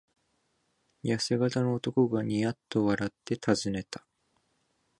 やせ型の男がニヤッと笑ってたずねた。